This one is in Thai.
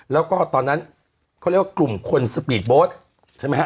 แล้วก็ตอนนั้นเขาเรียกว่ากลุ่มคนสปีดโบสต์ใช่ไหมฮะ